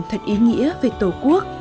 thật ý nghĩa về tổ quốc